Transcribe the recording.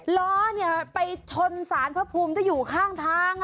ล้อไปชนสารพระภูมิที่อยู่ข้างทาง